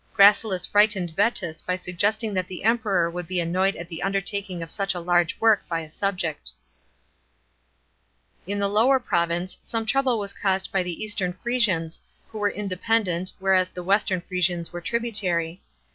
Gracilis frightened Vetus by suggesting that the Emperor would be annoyed at the undertaking of such a large work by a subject. § 28. In the Lower province some trouble was caused by the eastern Frisians, who were independent, whereas the western Frisians were tributary.